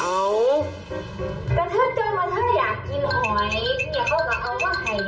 อยากกินหอยกะทิเวยหอย